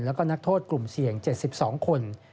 แล้วก็นักโทษกลุ่มเสี่ยง๗๒คน